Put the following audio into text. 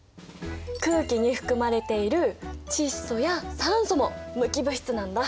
空気に含まれている窒素や酸素も無機物質なんだ。